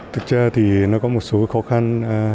thực ra thì nó có một số khó khăn